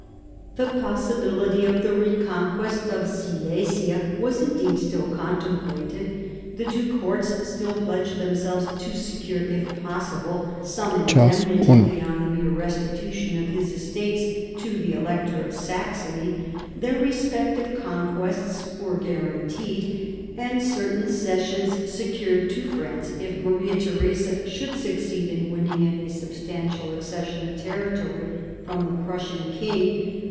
The possibility of the reconquest of Silesia was indeed still contemplated; the two courts still pledged themselves 1 > 154 MARIA THERESA chap, vii to secure if possible some indemnity beyond the mere restitution of his estates to the Elector of Saxony; their respective conquests were guaranteed, and certain cessions secured to France if Maria Theresa should succeed in winning any substantial accession of territory from the Prussian king.